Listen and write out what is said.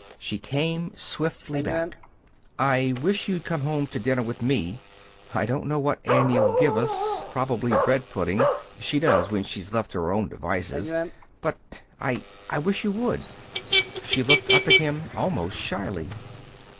She came swiftly back. "I wish you'd come home to dinner with me. I don't know what Annie'll give us. Probably bread pudding. She does, when she's left to her own devices. But I I wish you would." She looked up at him almost shyly.